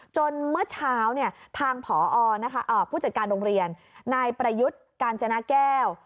เมื่อเช้าทางผอผู้จัดการโรงเรียนนายประยุทธ์กาญจนาแก้ว